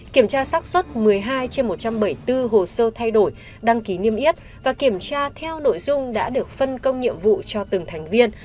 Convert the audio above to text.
kiểm tra sắc xuất một mươi hai trên một trăm bảy mươi bốn hồ sơ thay đổi đăng ký niêm yết và kiểm tra theo nội dung đã được phân công nhiệm vụ cho từng thành viên